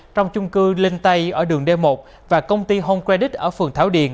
trong chung cư linh tây ở đường d một và công ty home credit ở phường thảo điền